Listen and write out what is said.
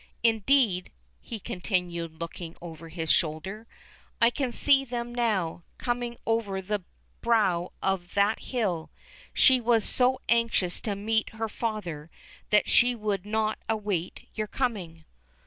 Indeed," he continued, looking over his shoulder, "I can see them now, coming over the brow of that hill. She was so anxious to meet her father that she would not await your coming."